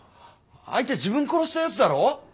相手自分殺したやつだろ？